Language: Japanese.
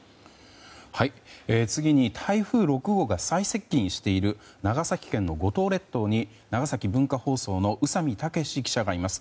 次に台風６号が最接近している長崎県の五島列島に長崎文化放送の宇佐美武史記者がいます。